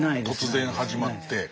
突然始まって。